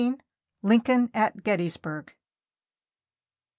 LINCOLN AT GETTYSBURG.